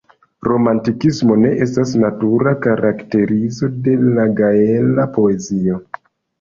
Romantikismo ne estas natura karakterizo de la gaela poezio.